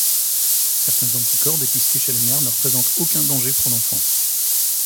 Certains anticorps dépistés chez la mère ne présentent aucun danger pour l'enfant.